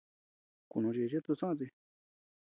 Kunuchichid tusoʼö ti.